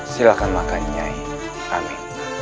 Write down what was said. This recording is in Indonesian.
silahkan makan nyai